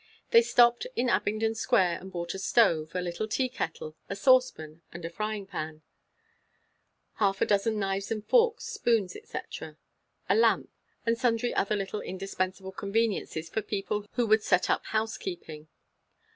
They stopped in Abingdon Square and bought a stove, a little tea kettle, a saucepan and frying pan; half a dozen knives and forks, spoons, etc., a lamp, and sundry other little indispensable conveniences for people who would set up housekeeping.